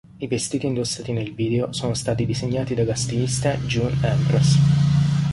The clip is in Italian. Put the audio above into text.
I vestiti indossati nel video sono stati disegnati dalla stilista June Ambrose.